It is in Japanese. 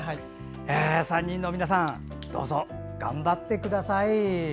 ３人の皆さんどうぞ頑張ってください。